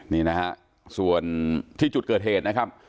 นี่นะฮะส่วนที่จุดเกิดเหตุนะครับ